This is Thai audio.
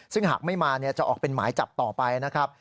ซึ่งหากไม่มาจะออกเป็นหมายจับต่อไปนะครับ